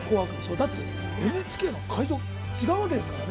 だってＮＨＫの会場違うわけですからね。